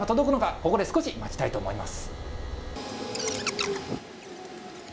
ここで少し待ちたいと思います。